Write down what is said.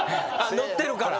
載ってるから。